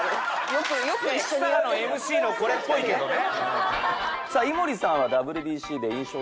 キサラのＭＣのこれっぽいけどね。